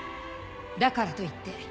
だからといって